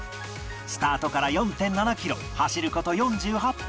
スタートから ４．７ キロ走る事４８分